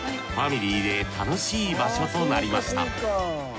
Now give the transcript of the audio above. ファミリーで楽しい場所となりました。